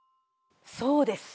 そうです。